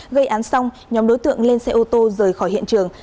gây án xong nhóm đối tượng lên xe ô tô rời khỏi hiện trường